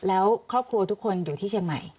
แล้วครอบครัวทุกคนอยู่ที่เชียงใหม่